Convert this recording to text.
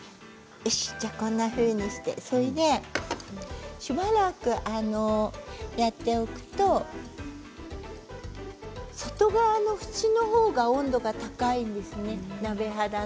こんなふうにして、それでしばらくやっておくと外側の縁のほうは温度が高いんですね